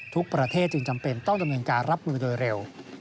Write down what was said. ทุกประเทศจึงจำเป็นต้องดำเนินการรับมือโดยเร็ว